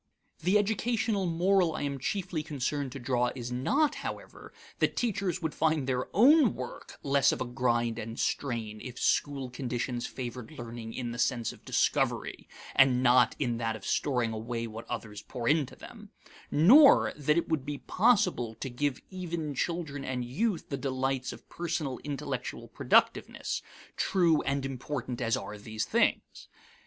The educational moral I am chiefly concerned to draw is not, however, that teachers would find their own work less of a grind and strain if school conditions favored learning in the sense of discovery and not in that of storing away what others pour into them; nor that it would be possible to give even children and youth the delights of personal intellectual productiveness true and important as are these things.